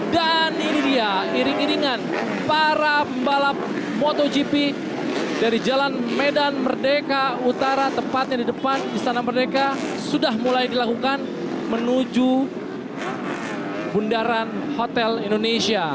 dan ini dia iring iringan para pembalap motogp dari jalan medan merdeka utara tepatnya di depan istana merdeka sudah mulai dilakukan menuju bundaran hotel indonesia